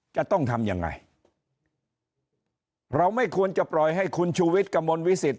จะต้องทำยังไงเราไม่ควรจะปล่อยให้คุณชูวิทย์กระมวลวิสิต